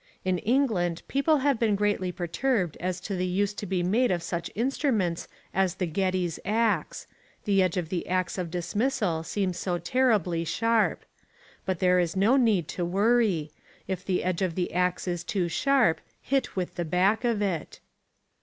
In England people have been greatly perturbed as to the use to be made of such instruments as the "Geddes Axe": the edge of the axe of dismissal seems so terribly sharp. But there is no need to worry. If the edge of the axe is too sharp, hit with the back of it.